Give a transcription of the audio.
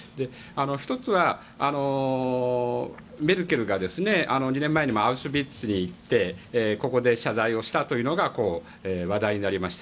１つは、メルケルが２年前にもアウシュビッツに行ってそこで謝罪をしたというのが話題になりました。